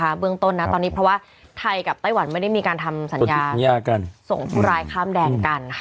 เบื้องต้นนะตอนนี้เพราะว่าไทยกับไต้หวันไม่ได้มีการทำสัญญากันส่งผู้ร้ายข้ามแดนกันค่ะ